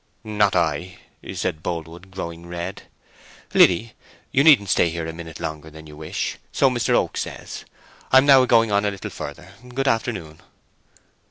"Not I," said Boldwood, growing red. "Liddy, you needn't stay here a minute later than you wish, so Mr. Oak says. I am now going on a little farther. Good afternoon."